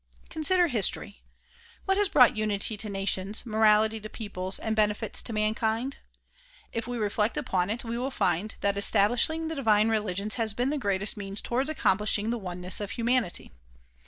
Consider history. What has brought unity to nations, morality to peoples and benefits to mankind ? If we reflect upon it we will find that establishing the divine religions has been the greatest means toward accomplishing the oneness of humanity.